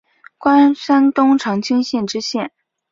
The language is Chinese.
官山东长清县知县。